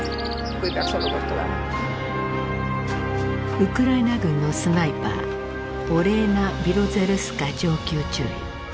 ウクライナ軍のスナイパーオレーナ・ビロゼルスカ上級中尉。